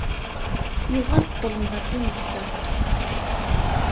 Yuɣal ṭṭelm ɣef umeksa.